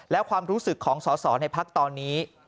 และความรู้สึกของสอสอในพักตอนนี้